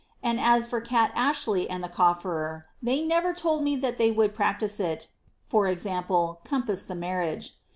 And as for Kat Ashley ami the cofferer, thej never told me tliat they would practise it, (i. e , eon^mu the marriage.)